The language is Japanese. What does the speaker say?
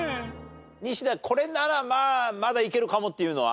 ニシダこれならまあまだいけるかもっていうのは？